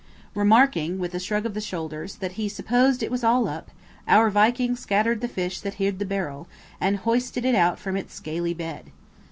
Remarking, with a shrug of the shoulders, that he supposed it was all up, our Viking scattered the fish that hid the barrel, and hoisted it out from its scaly bed.